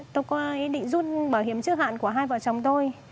tôi qua ý định rút bảo hiểm trước hạn của hai vợ chồng tôi